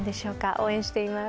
応援しています。